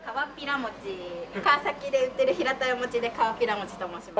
川崎で売ってる平たいお餅でかわっぴら餅と申します。